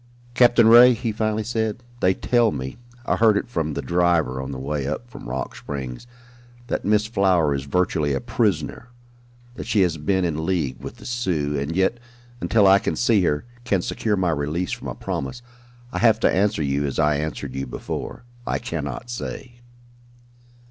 "Captain Ray," he finally said, "they tell me I heard it from the driver on the way up from Rock Springs that Miss Flower is virtually a prisoner, that she had been in league with the Sioux, and yet, until I can see her can secure my release from a promise, I have to answer you as I answered you before I cannot say."